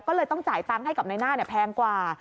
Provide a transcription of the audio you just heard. ก็เลยต้องจ่ายตังค์ให้กับนายหน้าแพงกว่า